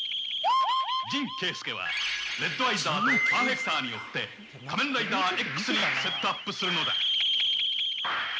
神敬介はレッドアイザーとパーフェクターによって仮面ライダーＸにセタップするのだ。